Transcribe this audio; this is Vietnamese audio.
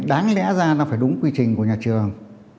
đáng lẽ ra nó phải đúng quy trình của nhà trường